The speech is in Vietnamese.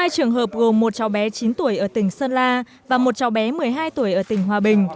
hai trường hợp gồm một cháu bé chín tuổi ở tỉnh sơn la và một cháu bé một mươi hai tuổi ở tỉnh hòa bình